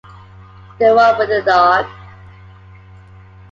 The one with the dog.